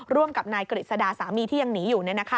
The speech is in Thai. ร่วมกับนายกฤษดาสามีที่ยังหนีอยู่